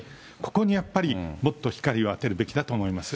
ここにやっぱり、もっと光を当てるべきだと思います。